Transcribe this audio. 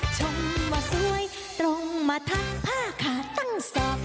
ชมว่าสวยตรงมาทางผ้าขาตั้งศพ